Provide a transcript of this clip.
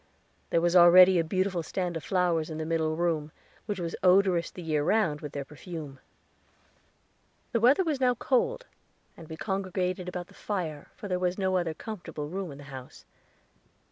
There was already a beautiful stand of flowers in the middle room, which was odorous the year round with their perfume. The weather was now cold, and we congregated about the fire; for there was no other comfortable room in the house.